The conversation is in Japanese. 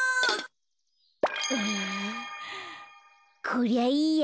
こりゃいいや。